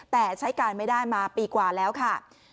แต่ใช้การไม่ได้มาปีกว่าแล้วค่ะ